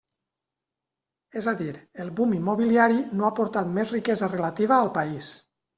És a dir, el boom immobiliari no ha portat més riquesa relativa al país.